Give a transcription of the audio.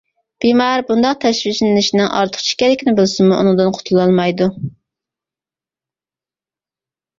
بىمار بۇنداق تەشۋىشلىنىشنىڭ ئارتۇقچە ئىكەنلىكىنى بىلسىمۇ ئۇنىڭدىن قۇتۇلالمايدۇ.